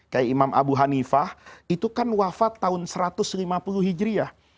kayak imam abu hanifah itu kan wafat tahun satu ratus lima puluh hijriah